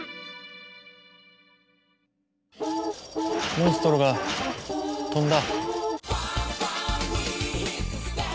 モンストロが飛んだ。